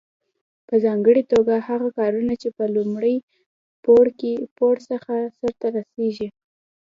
په ځانګړي توګه هغه کارونه چې له لومړي پوړ څخه پورته سرته رسیږي.